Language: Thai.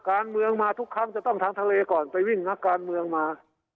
การเมืองมาทุกครั้งจะต้องทางทะเลก่อนไปวิ่งนักการเมืองมา